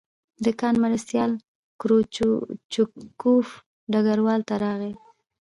د کان مرستیال کروچکوف ډګروال ته راغی